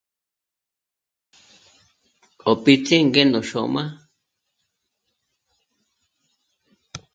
K'o píts'i ngé nó xôm'a